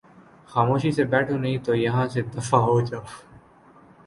خاموشی سے بیٹھو نہیں تو یہاں سے دفعہ ہو جاؤ